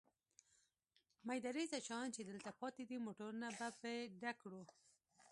مېده رېزه شیان چې دلته پاتې دي، موټرونه به په ډک کړو.